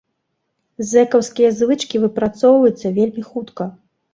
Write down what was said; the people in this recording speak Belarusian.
Зэкаўскія звычкі выпрацоўваюцца вельмі хутка.